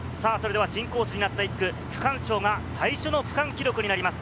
新コースになった１区区間賞が最初の区間記録になります。